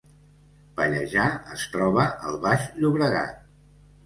Pallejà es troba al Baix Llobregat